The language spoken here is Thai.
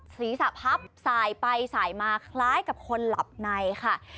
ศีรษะพับสายไปสายมาคล้ายกับคนหลับในค่ะ